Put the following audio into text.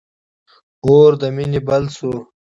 اور د مینی بل سو